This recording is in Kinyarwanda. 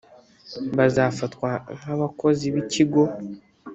batazafatwa nk abakozi b ikigo